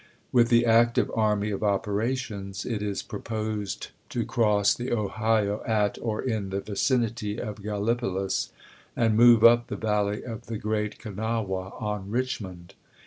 With the active army of operations it is proposed to cross the Ohio at or in the vicinity of Gallipolis and move up the valley of the Great Kanawha on Richmond.